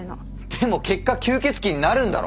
でも結果吸血鬼になるんだろ！